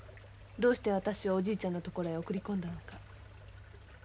どうして私をおじいちゃんの所へ送り込んだのか。